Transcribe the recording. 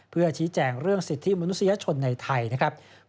เพื่อชี้แจงเรื่องสิทธิมนุษยชนในไทยนะครับ